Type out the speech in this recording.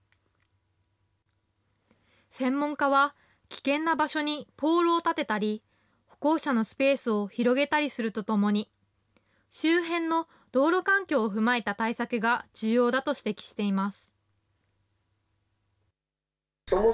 専門家は、危険な場所にポールを立てたり、歩行者のスペースを広げたりするとともに、周辺の道路環境を踏まえた対策が重要だと指摘しています。